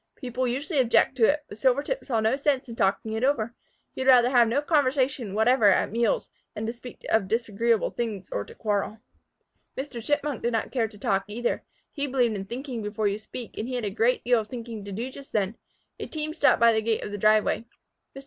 People usually did object to it, but Silvertip saw no sense in talking it over. He would rather have no conversation whatever at meals than to speak of disagreeable things or to quarrel. Mr. Chipmunk did not care to talk, either. He believed in thinking before you speak, and he had a great deal of thinking to do just then. A team stopped by the gate of the driveway. Mr.